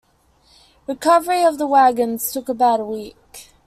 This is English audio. Recovery of the wagons took about a week.